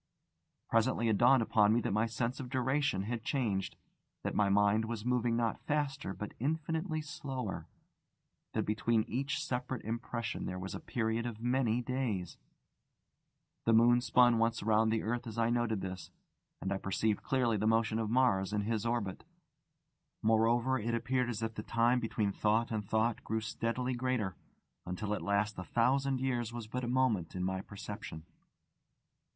Presently it dawned upon me that my sense of duration had changed; that my mind was moving not faster but infinitely slower, that between each separate impression there was a period of many days. The moon spun once round the earth as I noted this; and I perceived clearly the motion of Mars in his orbit. Moreover, it appeared as if the time between thought and thought grew steadily greater, until at last a thousand years was but a moment in my perception.